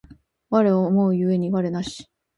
我思う故に我なし